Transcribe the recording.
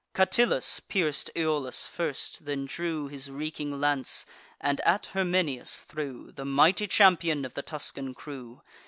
Catillus pierc'd Iolas first; then drew His reeking lance, and at Herminius threw, The mighty champion of the Tuscan crew.